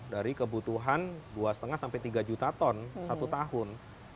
dari kebutuhan dua lima sampai tiga juta ton satu tahun